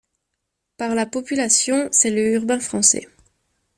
Par la population, c'est le urbain français.